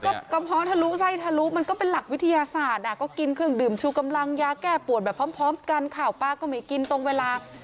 ก็กระเพาะทะลุไส้ทะลุมันก็เป็นหลักวิทยาศาสตร์ก็กินเครื่องดื่มชูกำลังยาแก้ปวดแบบพร้อมกันข่าวปลาก็ไม่กินตรงเวลา